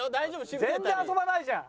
全然遊ばないじゃん。